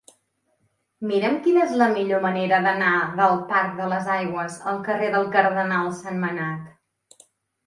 Mira'm quina és la millor manera d'anar del parc de les Aigües al carrer del Cardenal Sentmenat.